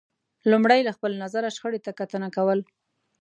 لمړی له خپل نظره شخړې ته کتنه کول